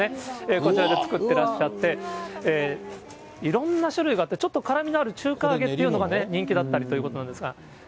こちらで作ってらっしゃって、いろんな種類があって、ちょっと辛みのある中華揚げっていうのが、人気だったりということなんですが。